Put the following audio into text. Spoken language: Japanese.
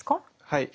はい。